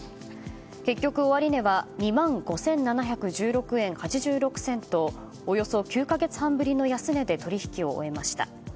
結局、終値は２万５７１６円８６銭とおよそ９か月半ぶりの安値で取引を終えました。